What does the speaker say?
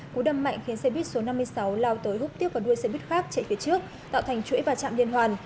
cú đâm mạnh khiến xe buýt số năm mươi sáu lao tới húc tiếp vào đuôi xe buýt khác chạy phía trước tạo thành chuỗi và chạm liên hoàn